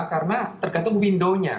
karena tergantung window nya